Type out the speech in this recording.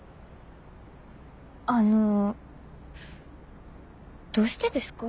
あのどうしてですか？